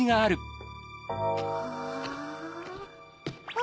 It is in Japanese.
あ。